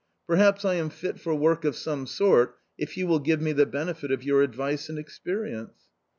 " Perhaps I am fit for work of some sort, if you will give me the benefit of your advice and experience."